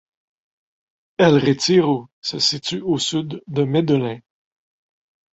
El Retiro se situe au sud de Medellín.